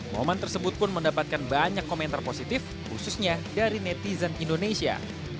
momen tersebut pun mendapatkan banyak komentar positif khususnya dari netizen indonesia